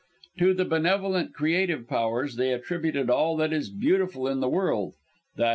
To the benevolent creative Powers they attributed all that is beautiful in the world (_i.